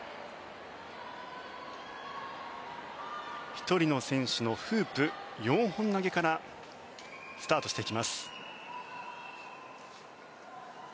１人の選手のフープ４本投げからスタートしていきます。